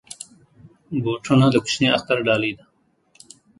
بوټونه د کوچني اختر ډالۍ ده.